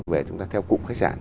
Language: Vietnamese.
về chúng ta theo cụm khách sạn